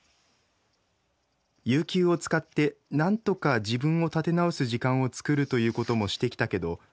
有給を使ってなんとか自分を立て直す時間を作るということもしてきたけど